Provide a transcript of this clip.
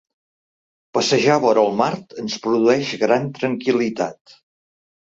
Passejar vora el mar ens produeix gran tranquil·litat.